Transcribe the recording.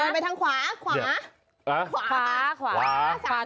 เดินไปทางขวาขวา